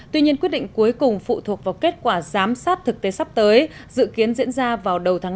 tuy nhiên quyết định cuối cùng phụ thuộc vào kết quả giám sát thực tế sắp tới dự kiến diễn ra vào đầu tháng bốn